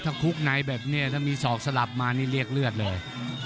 ถ้าคุกในแบบนี้ถ้ามีศอกสลับมานี่เรียกเลือดเลย